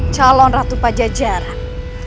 kalon ratu pajajaran